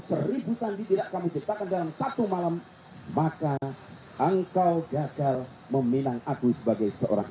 seribu candi tidak kami ciptakan dalam satu malam maka engkau gagal meminang aku sebagai seorang